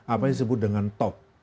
apanya disebut dengan top